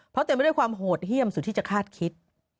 เพราะเต็มไปด้วยความโหดเยี่ยมสุดที่จะคาดคิด